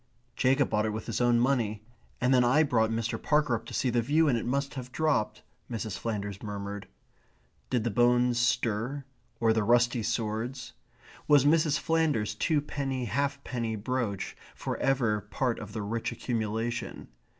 "Jacob bought it with his own money, and then I brought Mr. Parker up to see the view, and it must have dropped " Mrs. Flanders murmured. Did the bones stir, or the rusty swords? Was Mrs. Flanders's twopenny halfpenny brooch for ever part of the rich accumulation?